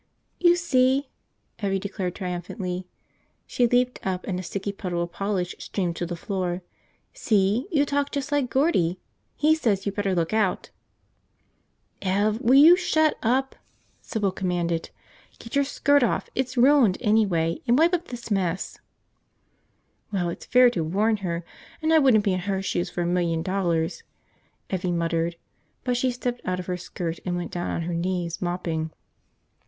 "You see?" Evvie declared triumphantly. She leaped up and a sticky puddle of polish streamed to the floor. "See, you talk just like Gordie. He says you better look out. ..." "Ev, will you shut up!" Sybil commanded. "Get your skirt off, it's ruined anyway, and wipe up this mess." "Well, it's fair to warn her, and I wouldn't be in her shoes for a million dollars," Evvie muttered, but she stepped out of her skirt and went down on her knees, mopping.